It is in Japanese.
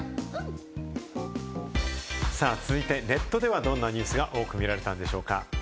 続いて、ネットではどんなニュースが多く見られたんでしょうか？